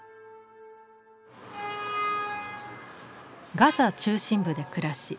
ガザ中心部で暮らし